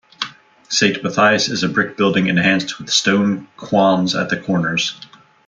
Saint Matthias is a brick building enhanced with stone quoins at the corners.